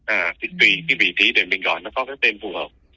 à tùy cái vị trí để mình gọi nó có cái tên phù hợp